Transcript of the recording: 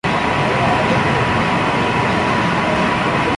Actualmente es el hogar de la "familia Hart Dyke".